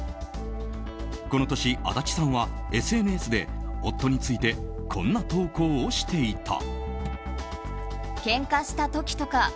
この年、安達さんはＳＮＳで夫についてこんな投稿をしていた。